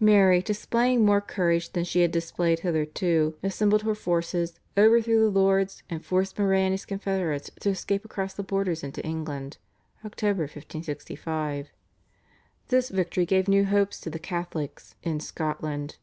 Mary, displaying more courage than she had displayed hitherto, assembled her forces, overthrew the lords, and forced Moray and his confederates to escape across the borders into England (Oct. 1565). This victory gave new hopes to the Catholics in Scotland.